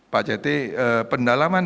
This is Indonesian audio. pak cethe pendalaman